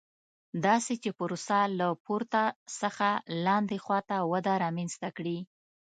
داسې چې پروسه له پورته څخه لاندې خوا ته وده رامنځته کړي.